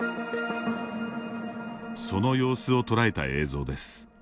その様子を捉えた映像です。